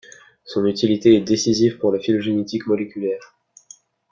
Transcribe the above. Son utilité est décisive pour la phylogénétique moléculaire.